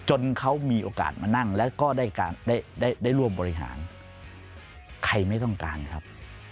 จนเขามีโอกาสมานั่งแล้วก็ได้ได้ร่วมบริหารใครไม่ต้องการครับ